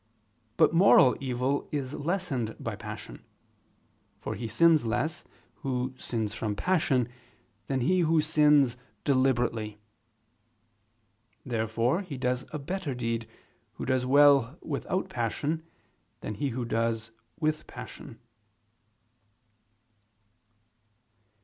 But moral evil is lessened by passion: for he sins less, who sins from passion, than he who sins deliberately. Therefore he does a better deed, who does well without passion, than he who does with passion.